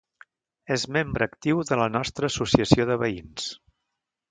És membre actiu de la nostra associació de veïns.